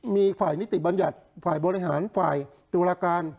มีฝ่ายนิติบัญญัติฝ่ายบริหารฝ่ายตุลาการ